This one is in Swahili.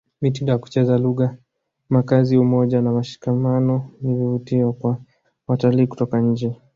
mitindo ya kucheza lugha makazi umoja na mshikamano ni vivutio kwa watalii kutoka nje